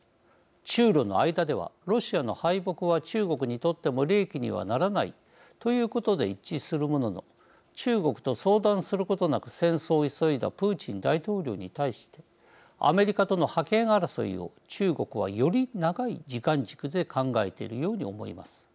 中ロの間ではロシアの敗北は中国にとっても利益にはならないということで一致するものの中国と相談することなく戦争を急いだプーチン大統領に対してアメリカとの覇権争いを中国はより長い時間軸で考えているように思います。